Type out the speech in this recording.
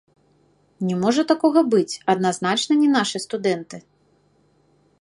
Не можа такога быць, адназначна не нашы студэнты.